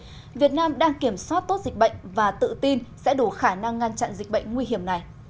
vì vậy việt nam đang kiểm soát tốt dịch bệnh và tự tin sẽ đủ khả năng ngăn chặn dịch bệnh nguy hiểm này